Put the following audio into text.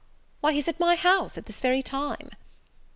why, he's at my house at this very time."